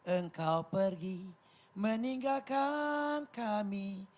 engkau pergi meninggalkan kami